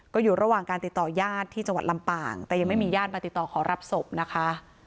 ก็อยู่ระหว่างการติดต่อญาติที่จังหวัดลำปางแต่ยังไม่มีญาติมาติดต่อขอรับศพนะคะ